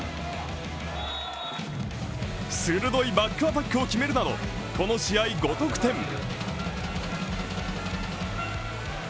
鋭いバックアタックを決めるなどこの試合５得点。